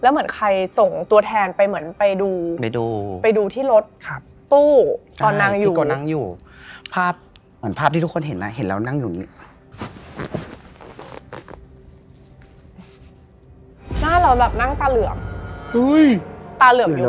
หน้าเรานั่งตาเหลืองตาเหลืองอยู่บนรถ